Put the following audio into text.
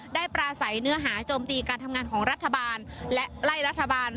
ปราศัยเนื้อหาโจมตีการทำงานของรัฐบาลและไล่รัฐบาล